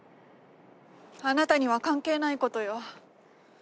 あなたには関係ないことよ。